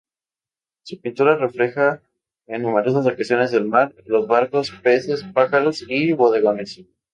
Su pintura refleja en numerosas ocasiones el mar, los barcos, peces, pájaros y bodegones.